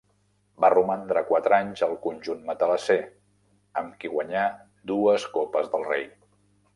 Va romandre quatre anys al conjunt matalasser, amb qui guanyà dues Copes del Rei.